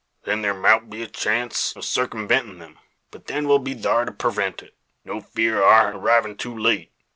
Then thar mout be a chance o' circumventin' them. But then we'll be thar to purvent it. No fear o' our arrivin' too late.